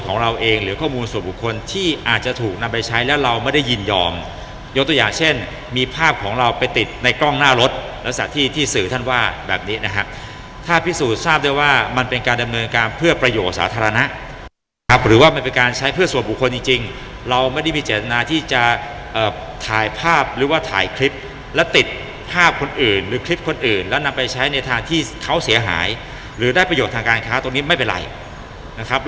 ของเราเองหรือข้อมูลส่วนบุคคลที่อาจจะถูกนำไปใช้แล้วเราไม่ได้ยินยอมยกตัวอย่างเช่นมีภาพของเราไปติดในกล้องหน้ารถแล้วสถานที่ที่สื่อท่านว่าแบบนี้นะครับถ้าพิสูจน์ทราบได้ว่ามันเป็นการดำเนินการเพื่อประโยชน์สาธารณะครับหรือว่ามันเป็นการใช้เพื่อส่วนบุคคลจริงจริงเราไม่ได้มีจัดนา